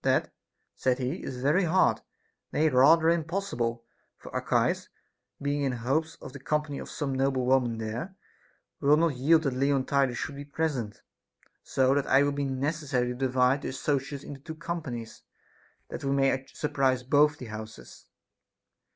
That, said he, is very hard, nay, rather impossible ; for Archias, being in hopes of the com pany of some noble women there, will not yield that Leontidas should be present, so that it will be necessary to divide the associates into two companies, that we may sur prise both the houses.